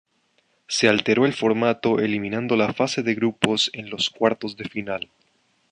Se alteró el formato, eliminando la fase de grupos en los cuartos de final.